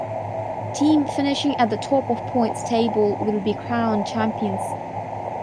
Team finishing at the top of points table will be crowned champions.